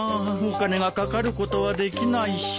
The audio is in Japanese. お金がかかることはできないし。